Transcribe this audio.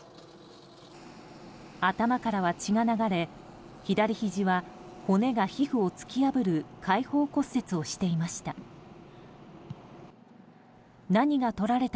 頭からは血が流れ左ひじは骨が皮膚を突き破る開放骨折をしていました。